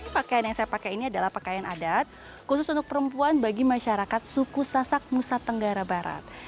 pakaian yang saya pakai ini adalah pakaian adat khusus untuk perempuan bagi masyarakat suku sasak nusa tenggara barat